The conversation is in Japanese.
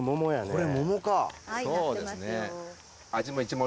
そうですね。